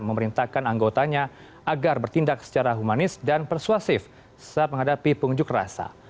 memerintahkan anggotanya agar bertindak secara humanis dan persuasif saat menghadapi pengunjuk rasa